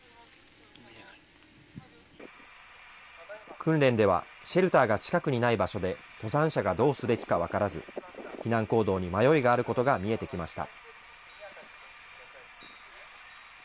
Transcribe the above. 訓練ではシェルターが近くにない場所で、登山者がどうすべきか分からず、避難行動に迷いがあることが見えてきました。